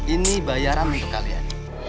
ini bayaran untuk kalian